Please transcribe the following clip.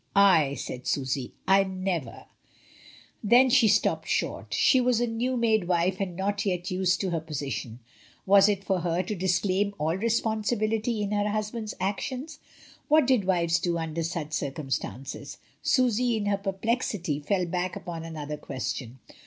"II" said Susy. "I never " then she stopped josselin's stepmother. 231 short She was a new made wife and not yet used to her position, was it for her to disclaim all re sponsibility in her husband's actions? What did wives do under such circumstances? Susy, in her perplexity, fell back upon another question.